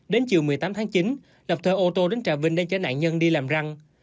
đến chiều một mươi tám tháng chín lọc thơ ô tô đến trà binh để chở nạn nhân đi làm răng